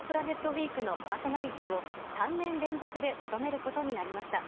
ウィークのパーソナリティーを３年連続で務めることになりました。